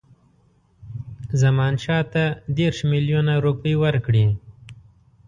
زمانشاه ته دېرش میلیونه روپۍ ورکړي.